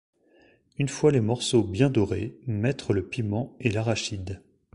Une fois les morceaux bien dorés, mettre le piment et l'arachide.